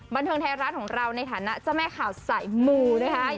บันเทิงแท้ร้านของเราในฐานะเจ้าแม่ข่าวใส่มู